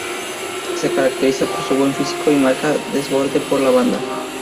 Se caracteriza por su buen físico, marca y desborde por la banda.